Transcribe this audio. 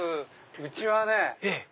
うちはね。